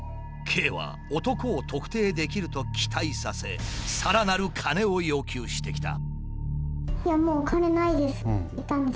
Ｋは男を特定できると期待させさらなる金を要求してきた。